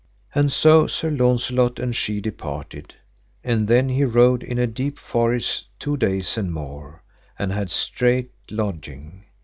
And so Sir Launcelot and she departed. And then he rode in a deep forest two days and more, and had strait lodging.